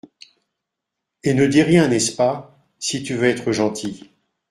Et ne dis rien, n'est-ce pas ? si tu veux être gentil.